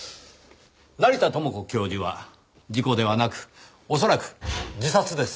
成田知子教授は事故ではなく恐らく自殺です。